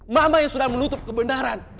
mama yang sudah menutup kebenaran